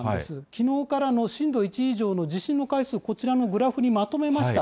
きのうからの震度１以上の地震の回数、こちらのグラフにまとめました。